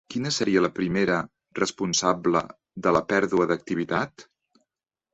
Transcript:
Quina seria la primera responsable de la pèrdua d'activitat?